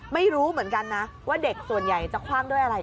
ไม่รู้เหมือนกันนะว่าเด็กส่วนใหญ่จะคว่างด้วยอะไร